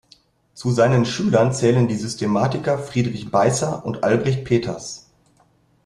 Zu seinen Schülern zählen die Systematiker Friedrich Beißer und Albrecht Peters.